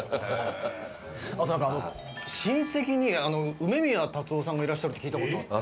あとなんか親戚に梅宮辰夫さんがいらっしゃるって聞いた事があって。